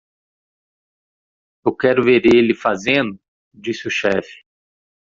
"Eu quero ver ele fazendo?", disse o chefe.